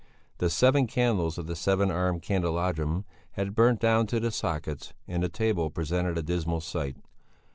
The seven candles of the seven armed candelabrum had burnt down to the sockets and the table presented a dismal sight.